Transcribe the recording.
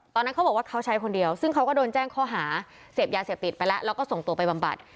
ตอนนั้นเขาบอกว่าเขาใช้คนเดียวซึ่งเขาก็โดนแจ้งข้อหาเสพยาเสพติดไปแล้วแล้วก็ส่งตัวไปบำบัด